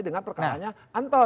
dengan perkenalannya anton